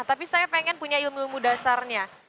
tapi saya pengen punya ilmu ilmu dasarnya